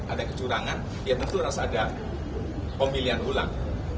ada kecurangan ya tentu harus ada pemilihan ulang